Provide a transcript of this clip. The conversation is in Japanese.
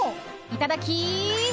いただき！